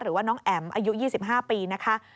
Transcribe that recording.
หรือว่าน้องแอ๋มอายุ๒๕ปีนะคะ